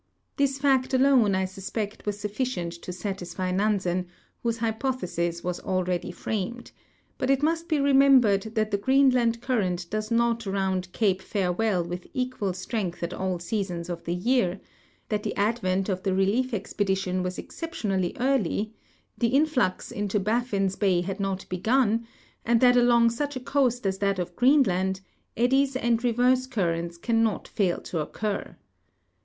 This fact alone I suspect was suf ficient to satisfy Nansen, whose hypothesis was already framed ; ljut it must be remembered that the Greenland current does not round cape Farewell with equal strength at all seasons of the year; that the advent of the relief expedition was excei)tionally early ; the inllux into Baffin's bay had not l)egun, and that along such a coast as that of Greenland eddies and reverse currents cannot fail to occur.